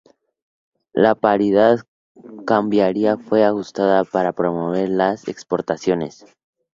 La paridad cambiaria fue ajustada para promover las exportaciones.